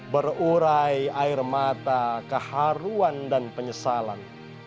berurai air mata keharuan dan penyesalan